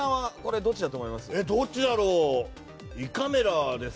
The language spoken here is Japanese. どっちだろう。